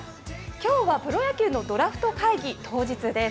今日はプロ野球のドラフト会議当日です。